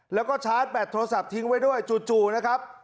แล้วก็ชาร์จแบตโทรศัพท์ทิ้งไว้ด้วยจู่นะครับ